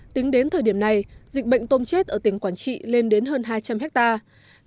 tính đến thời điểm này dịch bệnh tôm chết ở tỉnh quảng trị lên đến hơn hai trăm linh hectare